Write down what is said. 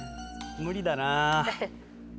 無理だな。